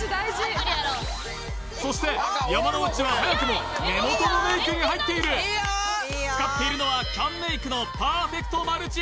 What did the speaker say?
そして山之内は早くも目元のメイクに入っている使っているのはキャンメイクのパーフェクトマルチ